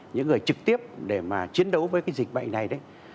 những người trực tiếp để mà chiến đấu với cái dịch bệnh này đấy